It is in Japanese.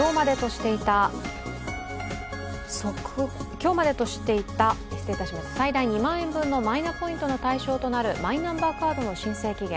今日までとしていた最大２万円分のマイナポイントの対象となるマイナンバーカードの申請期限。